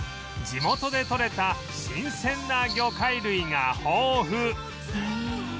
地元で獲れた新鮮な魚介類が豊富